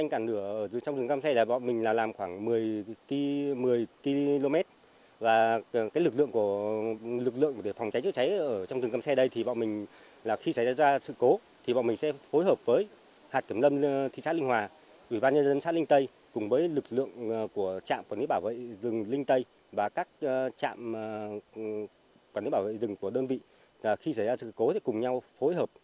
còn nếu bảo vệ rừng của đơn vị khi xảy ra sự cố thì cùng nhau phối hợp